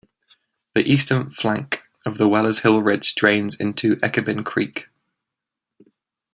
The eastern flank of the Wellers Hill ridge drains into Ekibin Creek.